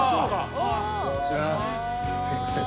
「すいません。